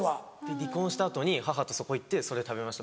離婚した後に母とそこ行ってそれ食べました